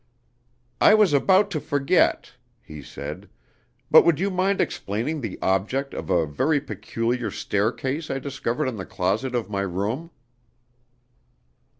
"I was about to forget," he said, "but would you mind explaining the object of a very peculiar staircase I discovered in the closet of my room?"